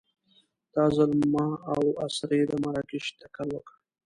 دا ځل ما او اسرې د مراکش تکل وکړ.